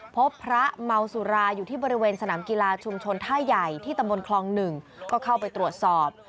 พบพระเมาสุราอยู่ที่บริเวณสนามกีฬาชุมชนท่าใหญ่ที่ตำบลคลอง๑ก็เข้าไปตรวจสอบ